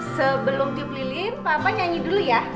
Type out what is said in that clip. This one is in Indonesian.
sebelum tipe lilin papa nyanyi dulu ya